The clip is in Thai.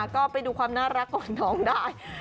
ก็ไปดูความน่ารักของน้องได้